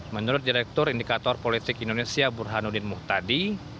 menurut direktur indikator politik indonesia burhanuddin muhtadi